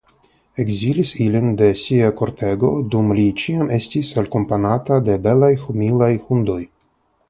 Ekzilis ilin de sia kortego, dum li ĉiam estis akompanata de belaj humilaj hundoj.